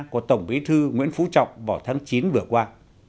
của tổng bí thư nguyễn phú trọng vào tháng chín vừa qua